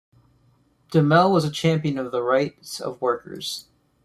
Dehmel was a champion of the rights of workers.